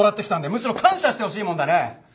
むしろ感謝してほしいもんだね。